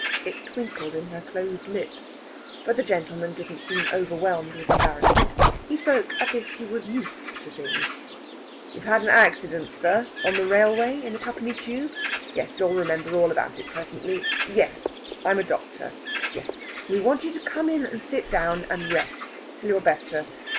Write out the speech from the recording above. It twinkled in her closed lips. But the gentleman didn't seem overwhelmed with embarrassment. He spoke as if he was used to things. "You have had an accident, sir.... On the railway.... In the Twopenny Tube.... Yes, you'll remember all about it presently.... Yes, I'm a doctor.... Yes, we want you to come in and sit down and rest till you're better....